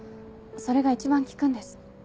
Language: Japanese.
それが一番効くんです。